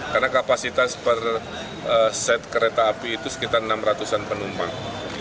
karena kapasitas per set kereta api itu sekitar enam ratus penumpang